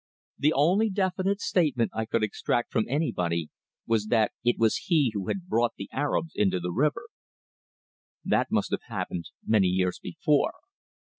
The only definite statement I could extract from anybody was that it was he who had "brought the Arabs into the river." That must have happened many years before.